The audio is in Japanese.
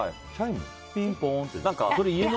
ピンポンって？